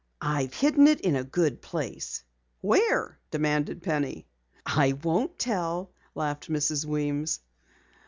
I've hidden it in a good place." "Where?" demanded Penny. "I won't tell," laughed Mrs. Weems.